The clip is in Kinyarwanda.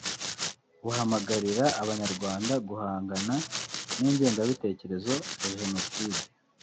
buhamagarira Abanyarwanda guhangana n’ingengabitekerezo ya Jenoside